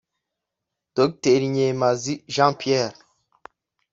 Dr Nyemazi Jean Pierre